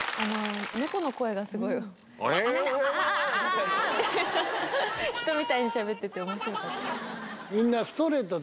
猫の声がすごい「アアアアア」って。にしゃべってて面白かった。